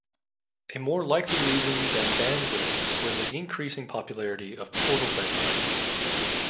A more likely reason than bandwidth was the increasing popularity of "portal websites".